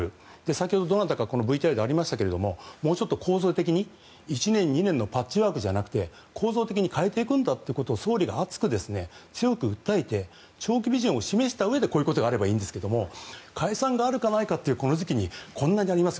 先ほど、どなたかのＶＴＲでありましたけどもうちょっと１年、２年のパッチワークではなくて構造的に変えていくんだということを総理が熱く強く訴えて長期ビジョンを示したうえでこういうことがあればいいんですけども解散があるかないかというこの時期にこんなにやります